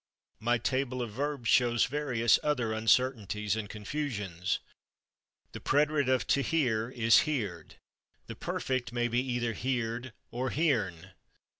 My table of verbs shows [Pg204] various other uncertainties and confusions. The preterite of /to hear/ is /heerd/; the perfect may be either /heerd/ or /heern